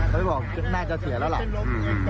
เค้าด้วยบอกด้านหน้าจะเสียแล้วเหรอ